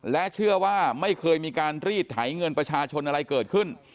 และเชื่อว่าไม่เคยมีการรีดไถเงินประชาชนอะไรเกิดขึ้น